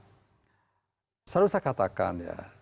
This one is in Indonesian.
saya selalu bisa katakan ya